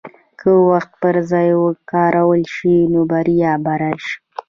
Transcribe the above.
که وخت پر ځای وکارول شي، نو بریا به راشي.